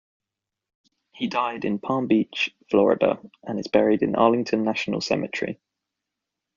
He died in Palm Beach, Florida, and is buried in Arlington National Cemetery.